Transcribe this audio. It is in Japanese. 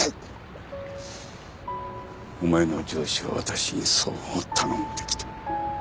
お前の上司は私にそう頼んできた。